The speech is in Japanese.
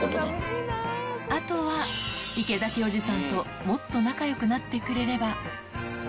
あとは池崎おじさんともっと仲よくなってくれれば。